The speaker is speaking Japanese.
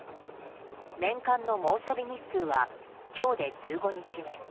年間の猛暑日日数は今日で１５日目。